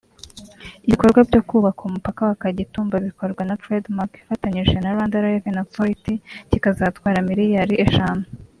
Ibikorwa byo kubaka umupaka wa Kagitumba bikorwa na Trade Mark ifatanyije na Rwanda Revenue Authority kikazatwara miliyari eshanu